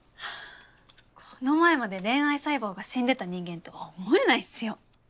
この前まで恋愛細胞が死んでた人間とは思えないっすよ。